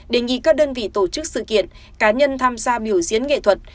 đề nghị các đơn vị tổ chức sự kiện cá nhân tham gia biểu diễn nghệ thuật